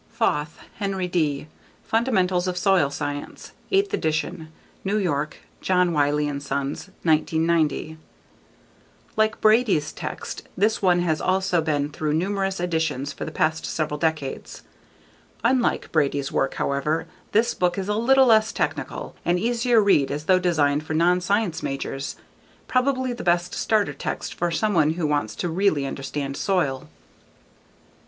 Foth, Henry D. _Fundamentals of Soil Science, _Eighth Edition. New York: John Wylie & Sons, 1990. Like Brady's text, this one has also been through numerous editions for the past several decades. Unlike Brady's work however, this book is a little less technical, an easier read as though designed for non science majors. Probably the best starter text for someone who wants to really understand soil.